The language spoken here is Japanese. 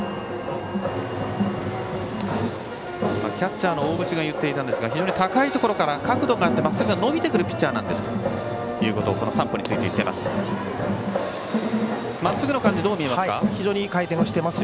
キャッチャーの大渕が言っていたんですが非常に高いところから角度があってまっすぐが伸びてくるピッチャーだとこの山保について話しています。